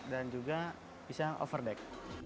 dan juga bisa over deck